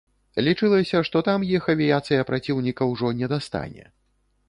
Лічылася, што там іх авіяцыя праціўніка ўжо не дастане.